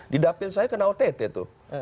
di dapil saya kena ott tuh